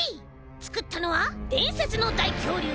つくったのはでんせつのだいきょうりゅう。